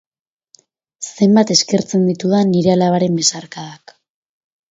Zenbat eskertzen ditudan nire alabaren besarkadak